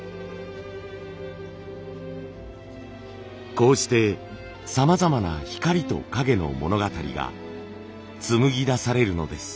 こうしてさまざまな光と影の物語が紡ぎ出されるのです。